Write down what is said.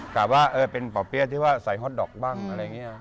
กลับว่าเป็นป่อเปี๊ยะที่ว่าใส่ฮอตดอกบ้างอะไรอย่างนี้